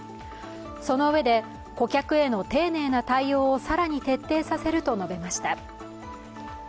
そのうえで、顧客への丁寧な対応を更に徹底させると述べました。